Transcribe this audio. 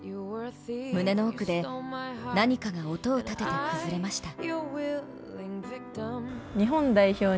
胸の奥で、何かが音を立てて崩れました。